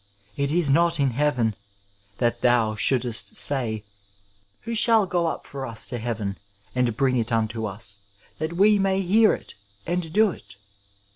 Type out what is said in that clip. It » not in heaven, that thou ahonldest say, ' Who shall go up for as to heaven, and bring it onto us, that we may hear it^ and do it